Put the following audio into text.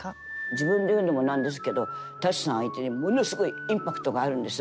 自分で言うのも何ですけど舘さん相手にものすごいインパクトがあるんです。